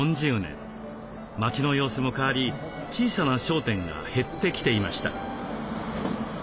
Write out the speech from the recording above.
町の様子も変わり小さな商店が減ってきていました。